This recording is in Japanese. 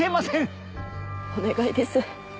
お願いです。